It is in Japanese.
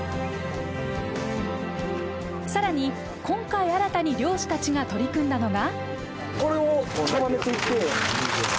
更に今回新たに漁師たちが取り組んだのが。